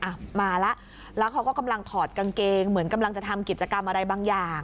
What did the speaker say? อ่ะมาแล้วแล้วเขาก็กำลังถอดกางเกงเหมือนกำลังจะทำกิจกรรมอะไรบางอย่าง